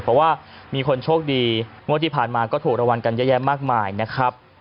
เพราะว่ามีคนโชคดีงวดที่ผ่านมาก็ถูกรางวัลกันเยอะแยะมากมายนะครับ